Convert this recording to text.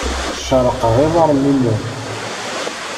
Cerrqeɣ iḍarren-inu.